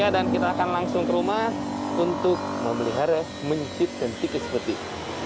dan kita akan langsung ke rumah untuk memelihara mencit dan tikus putih